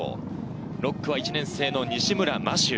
６区は１年生の西村真周。